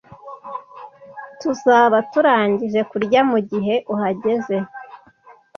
Tuzaba turangije kurya mugihe uhageze